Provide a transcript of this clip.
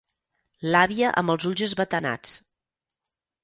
L'àvia amb els ulls esbatanats.